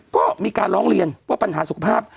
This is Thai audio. ก็มีการร้องเรียนว่าปัญหาสุขภาพ